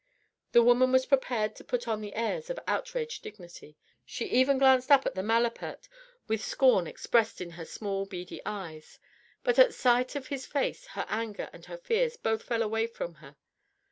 The woman was prepared to put on the airs of outraged dignity, she even glanced up at the malapert with scorn expressed in her small beady eyes. But at sight of his face her anger and her fears both fell away from her.